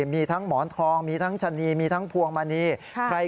มีทั้งหมอนทองมีทั้งชะนีมีทั้งพวงมณี